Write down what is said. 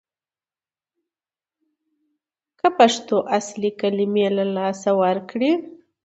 که پښتو اصلي کلمې له لاسه ورکړي